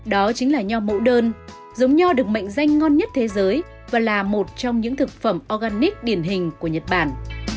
đó chính là nho mẫu đơn giống nho được mệnh danh ngon nhất thế giới và là một trong những thực phẩm organic điển hình của nhật bản